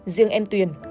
riêng em tuyền